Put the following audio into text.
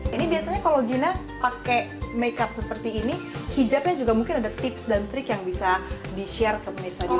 ini biasanya kalau gina pakai makeup seperti ini hijabnya juga mungkin ada tips dan trik yang bisa di share ke pemirsa juga